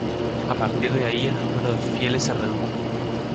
A partir de ahí el número de fieles se redujo.